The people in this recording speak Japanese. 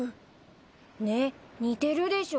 ねっ似てるでしょ？